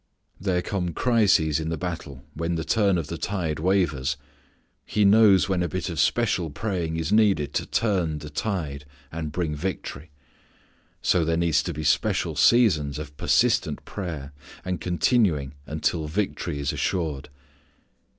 There come crises in the battle when the turn of the tide wavers. He knows when a bit of special praying is needed to turn the tide and bring victory. So there needs to be special seasons of persistent prayer, a continuing until victory is assured.